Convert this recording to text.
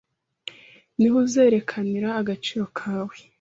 niho uzerekanira agaciro kawe